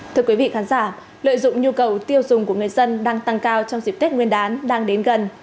thưa quý vị khán giả lợi dụng nhu cầu tiêu dùng của người dân đang tăng cao trong dịp tết nguyên đán đang đến gần